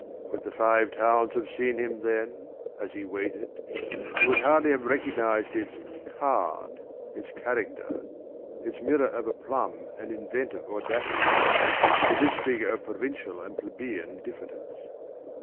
Could the Five Towns have seen him then, as he waited, it would hardly have recognised its "card," its character, its mirror of aplomb and inventive audacity, in this figure of provincial and plebeian diffidence.